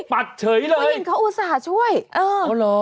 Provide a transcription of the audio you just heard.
ปัดเผยเลยเฮ้ยเห็นเขาอุตส่าห์ช่วยเออเอาเหรอ